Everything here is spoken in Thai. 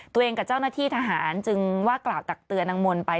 กับเจ้าหน้าที่ทหารจึงว่ากล่าวตักเตือนนางมนต์ไป